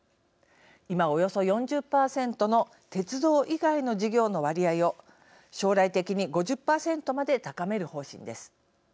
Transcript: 今、およそ４０％の鉄道以外の事業の割合を将来的に５０％まで高める方針です。